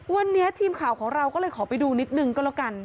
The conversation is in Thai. วันนี้ทีมข่าวของเราก็เลยขอไปดูนิดนึงก็แล้วกัน